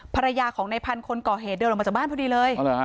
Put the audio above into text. ภรรยาของในพันธุ์คนก่อเหตุเดินออกมาจากบ้านพอดีเลย